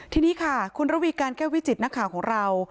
ทีนี้ค่ะคุณระวีการแก้ววิจิตนักข่าวของเรา